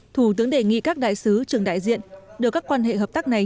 thủ tướng đề nghị các đại sứ trường đại diện đưa các quan hệ hợp tác này